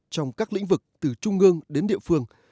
trong các lĩnh vực từ trung ương đến địa phương